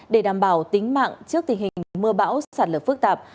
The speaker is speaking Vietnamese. để đảm bảo tính mạng trước tình hình mưa bão sạt lở phức tạp